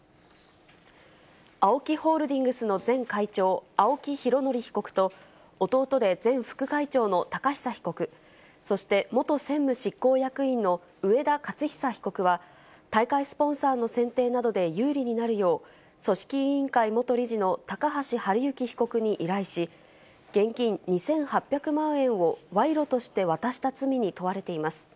ＡＯＫＩホールディングスの前会長、青木拡憲被告と、弟で前副会長のたかひさ被告、そして元専務執行役員の上田雄久被告は、大会スポンサーの選定などで有利になるよう、組織委員会元理事の高橋治之被告に依頼し、現金２８００万円を賄賂として渡した罪に問われています。